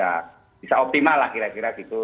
hal yang bisa optimal lah kira kira gitu